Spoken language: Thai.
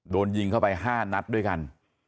โดนยิงเข้าไป๕นัดด้วยกัน